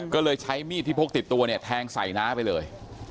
ก็เลยใช้มีดที่พกติดตัวเนี่ยแทงใส่น้าไปเลย